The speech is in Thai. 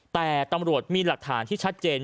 แต่ตำรวจมีหลักฐานที่ชัดเจน